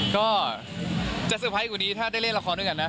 ก็จะเซอร์ไพรส์กว่านี้ถ้าได้เล่นละครด้วยกันนะ